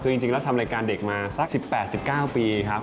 คือจริงแล้วทำรายการเด็กมาสัก๑๘๑๙ปีครับ